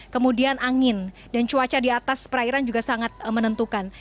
kemudian angin dan cuaca di atas perairan juga sangat menentukan